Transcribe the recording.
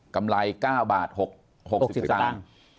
กำไร๙บาท๖๐สตางค์